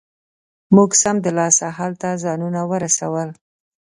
موږ سمدلاسه هلته ځانونه ورسول.